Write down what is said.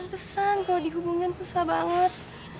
pantesan kalo dihubungin susah banget